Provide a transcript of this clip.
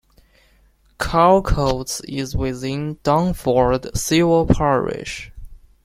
Carlecotes is within Dunford civil parish.